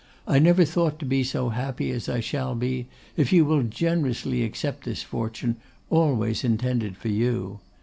I never thought to be so happy as I shall be if you will generously accept this fortune, always intended for you.